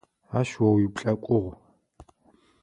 Ащ о уиуплъэкӏугъ.